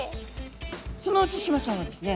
そのうちシマちゃんはですね